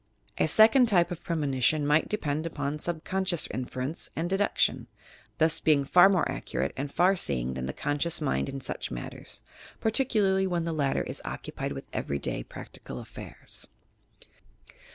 A second type of premonition might depend upon subconscious inference and deduction, — this being far more acute and far seeing than the conscious mind in such matters, particularly when the latter is occupied with every day practical affairs.